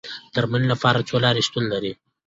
د درملنې لپاره څو لارې شتون لري.